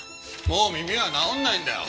もう耳は治んないんだよ。